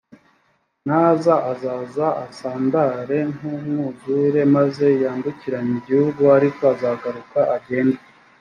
naza azaza asandare nk umwuzure maze yambukiranye igihugu ariko azagaruka agende